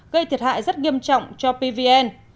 gây thiệt hại rất nghiêm trọng cho pvn